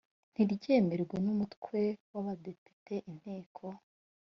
ntiryemerwe n umutwe w abadepite inteko